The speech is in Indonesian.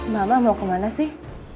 mama mau kemana sih